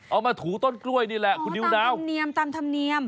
เอามาถูต้นกล้วยนี่แหละคุณยูนาวตามธรรมเนียม